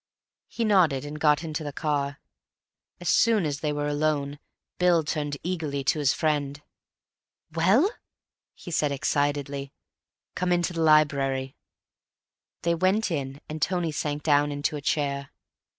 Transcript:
He nodded and got into the car. As soon as they were alone Bill turned eagerly to his friend. "Well?" he said excitedly. "Come into the library." They went in, and Tony sank down into a chair.